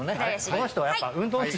この人はやっぱ運動音痴。